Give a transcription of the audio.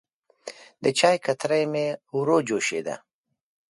د چای کتری مې وروه جوشېده.